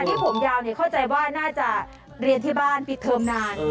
ที่ผมยาวเข้าใจว่าน่าจะเรียนที่บ้านปิดเทอมนาน